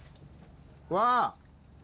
わあ。